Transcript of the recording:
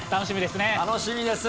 楽しみですね。